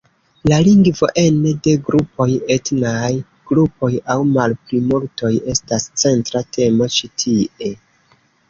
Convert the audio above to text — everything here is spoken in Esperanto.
La lingvo ene de grupoj, etnaj grupoj aŭ malplimultoj estas centra temo ĉi tie.